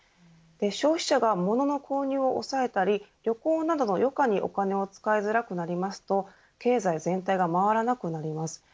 消費者が物の購入を抑えたり旅行などの余暇にお金を使いづらくなりますと経済全体が回らなくなります。